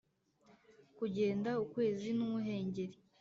kugenda ukwezi n'umuhengeri;